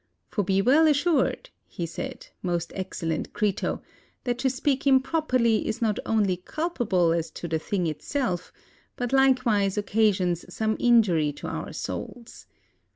For be well assured," he said, ''most excellent Crito, that to speak improperly is not only culpable as to the thing itself, but likewise occasions some injury to our souls.